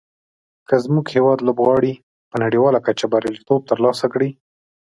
که زموږ هېواد لوبغاړي په نړیواله کچه بریالیتوب تر لاسه کړي.